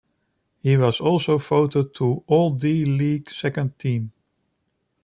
He was also voted to All D-League Second Team.